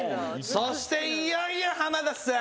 そしていよいよ浜田さん